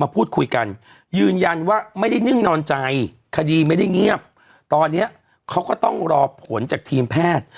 มาพูดคุยกันยืนยันว่าไม่ได้นิ่งนอนใจคดีไม่ได้เงียบตอนนี้เขาก็ต้องรอผลจากทีมแพทย์